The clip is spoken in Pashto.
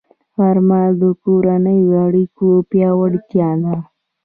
غرمه د کورنیو اړیکو پیاوړتیا ده